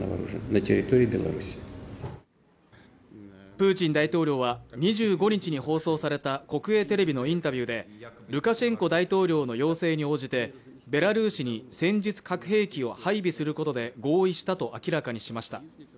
プーチン大統領は２５日に放送された国営テレビのインタビューで、ルカシェンコ大統領の要請に応じてベラルーシに戦術核兵器を配備することで合意したと明らかにしました。